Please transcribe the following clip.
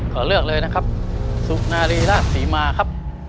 ขอเลือกเลยนะครับสุนารีราชศรีมาครับ